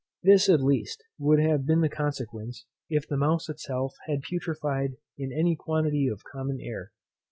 This, at least, would have been the consequence, if the mouse itself had putrefied in any quantity of common air.